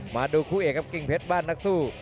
มาดูคู่เอกครับกิ่งเพชรบ้านนักสู้